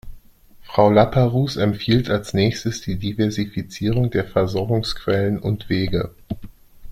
Frau Laperrouze empfiehlt als Nächstes die Diversifizierung der Versorgungsquellen und -wege.